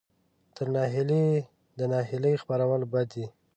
تر ناهیلۍ د ناهیلۍ خپرول بد دي.